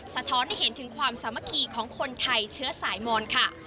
สะท้อนให้เห็นถึงความสามัคคีของคนไทยเชื้อสายมอนค่ะ